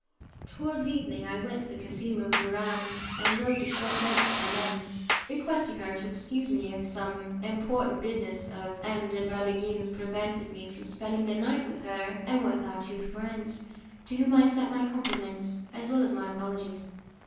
Towards evening I went to the casino of Muran, and wrote a short note to M M , requesting her to excuse me if some important business of M. de Bragadin's prevented me from spending the night with her and with our two friends, to whom I sent my compliments as well as my apologies.